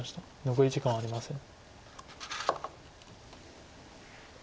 残り時間はありません。